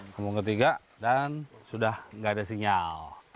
kampung ke tiga dan sudah nggak ada sinyal